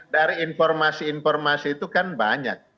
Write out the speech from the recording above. dari informasi informasi itu kan banyak